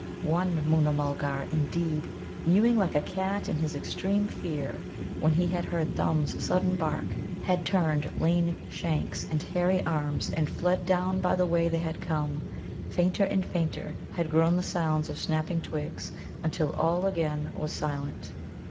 One Moona mulgar, indeed, mewing like a cat in his extreme fear, when he had heard Thumb's sudden bark, had turned lean shanks and hairy arms and fled down by the way they had come. Fainter and fainter had grown the sounds of snapping twigs, until all again was silent.